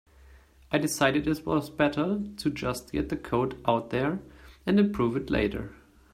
I decided it was better to just get the code out there and improve it later.